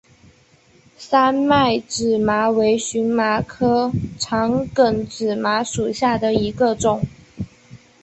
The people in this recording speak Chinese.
三脉紫麻为荨麻科长梗紫麻属下的一个种。